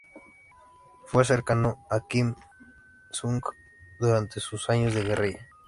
Fue cercano a Kim Il-sung durante sus años de guerrilla.